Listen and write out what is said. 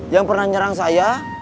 yang pernah nyerang saya